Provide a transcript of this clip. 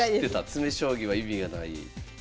詰将棋は意味がない。